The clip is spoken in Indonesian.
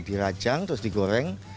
di rajang terus digoreng